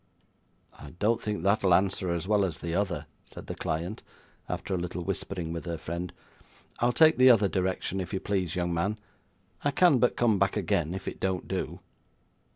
'I don't think that'll answer as well as the other,' said the client, after a little whispering with her friend. 'I'll take the other direction, if you please, young man. I can but come back again, if it don't do.